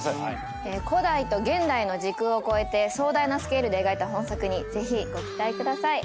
古代と現代の時空を超えて壮大なスケールで描いた本作にぜひご期待ください。